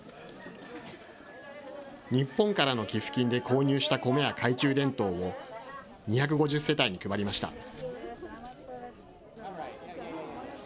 日本からの寄付金で購入したコメや懐中電灯を、２５０世帯に配りました。